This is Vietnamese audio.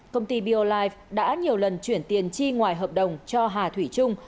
công ty biolife đã nhiều lần chuyển tiền chi ngoài hợp đồng cho hà thủy trung